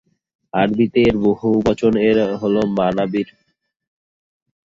আরবিতে এর বহুবচন হল মানাবির।